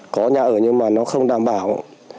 có nhà ở nhưng mà nó không đảm bảo